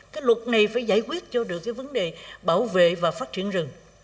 cái luật này phải giải quyết cho được cái vấn đề bảo vệ và phát triển rừng